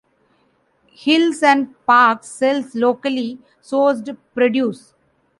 Hills and Parkes sells locally sourced produce.